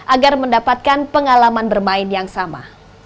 agar mendapatkan pengalaman bermain yang sama